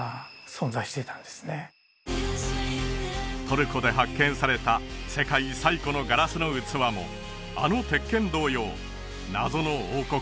トルコで発見された世界最古のガラスの器もあの鉄剣同様謎の王国